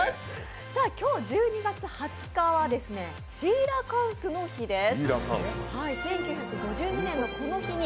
今日１２月２０日にはシーラカンスの日です。